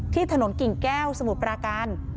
ถนนกิ่งแก้วสมุทรปราการ